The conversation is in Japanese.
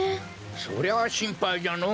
そりゃしんぱいじゃのお。